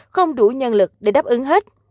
không đủ nhân lực để đáp ứng hết